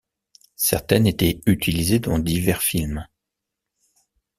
Certaines étaient utilisées dans divers films.